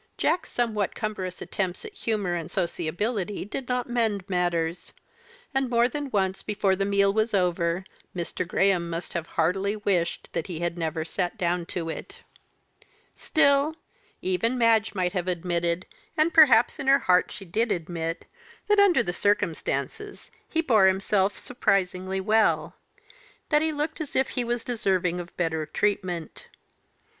Jack's somewhat cumbrous attempts at humour and sociability did not mend matters; and more than once before the meal was over Mr. Graham must have heartily wished that he had never sat down to it. Still, even Madge might have admitted, and perhaps in her heart she did admit, that, under the circumstances, he bore himself surprisingly well; that he looked as if he was deserving of better treatment.